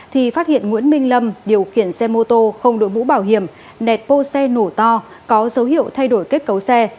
thì phát hiện nguyễn minh lâm điều khiển xe mô tô không đội mũ bảo hiểm nẹt bô xe nổ to có dấu hiệu thay đổi kết cấu xe